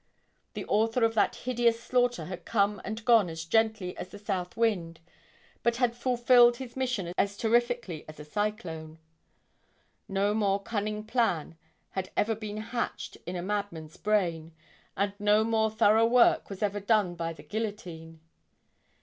The author of that hideous slaughter had come and gone as gently as the south wind, but had fulfilled his mission as terrifically as a cyclone. No more cunning plan had ever been hatched in a madman's brain, and no more thorough work was ever done by the guillotine.